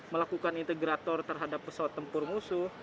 melakukan integrator terhadap pesawat tempur musuh